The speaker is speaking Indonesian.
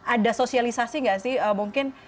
ada sosialisasi nggak sih mungkin